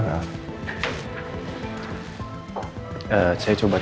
yaudah technology transit